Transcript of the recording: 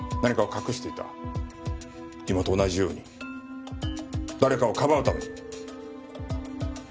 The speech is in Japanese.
今と同じように誰かをかばうために。